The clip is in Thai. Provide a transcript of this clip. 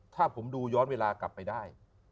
ถ้าผมดูย้อนเวลากลับไปได้